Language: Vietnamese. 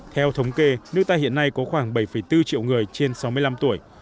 theo thống kê nước ta hiện nay có khoảng bảy bốn triệu người trên sáu mươi năm tuổi